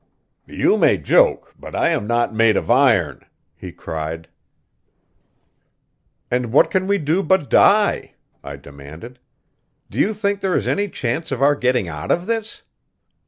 "You may joke, but I am not made of iron!" he cried. "And what can we do but die?" I demanded. "Do you think there is any chance of our getting out of this?